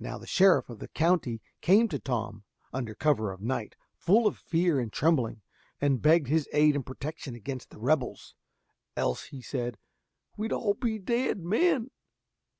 Now the sheriff of the country came to Tom, under cover of night, full of fear and trembling, and begged his aid and protection against the rebels, "else," said he, "we be all dead men!"